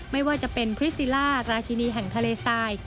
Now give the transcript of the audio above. ไม่ว่าจะเป็นคริสซิล่าราชินีแห่งทะเลทราย